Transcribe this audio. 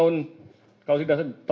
sudah dipakai australia itu berapa lama